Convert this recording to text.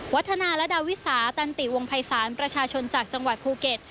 วัฒนาและดาวิสาตันติวงภัยศาลประชาชนจากจังหวัดภูเก็ต